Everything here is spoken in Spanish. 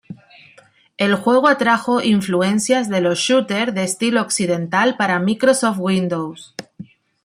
El juego atrajo influencias de los shooter de estilo occidental para Microsoft Windows.